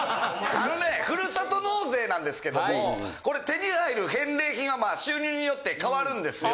あのねふるさと納税なんですけどもこれ手に入る返礼品は収入によって変わるんですよ。